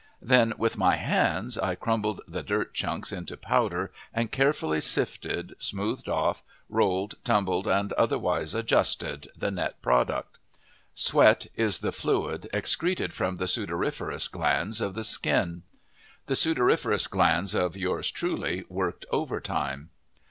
Then with my hands I crumbled the dirt chunks into powder and carefully sifted, smoothed off, rolled, tumbled, and otherwise adjusted the net product. Sweat is the fluid excreted from the sudoriferous glands of the skin. The sudoriferous glands of Yours Truly worked overtime.